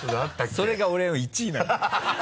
それが俺の１位なんだわ。